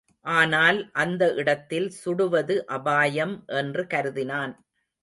ஆனால் அந்த இடத்தில் சுடுவது அபாயம் என்று கருதினான்.